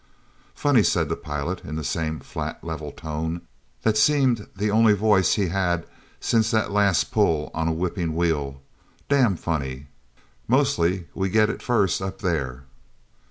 "Funny," said the pilot in the same flat, level tone that seemed the only voice he had since that last pull on a whipping wheel. "Damn funny—mostly we get it first up there."